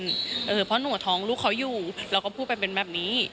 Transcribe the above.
เพราะหนูท้องลูกเขาอยู่เราก็พูดไปเป็นแบบนี้